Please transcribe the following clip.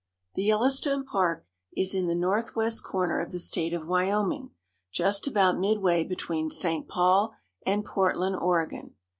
THE Yellowstone Park is in the northwest corner of the state of Wyoming, just about midway between St. Paul and Portland, Oregon.